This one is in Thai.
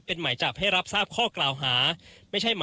เป็นหมายจับให้รับทราบข้อกล่าวหา